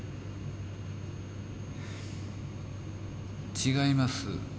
違います。